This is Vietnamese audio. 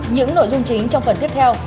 những nội dung chính trong phần tiếp theo